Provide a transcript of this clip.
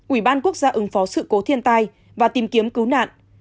ủy ban quốc gia ứng phó sự cố thiên tai và tìm kiếm cứu nạn